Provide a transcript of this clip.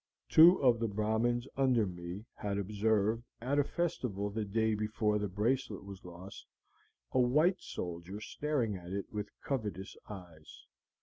"Two of the Brahmins under me had observed, at a festival the day before the bracelet was lost, a white soldier staring at it with covetous eyes.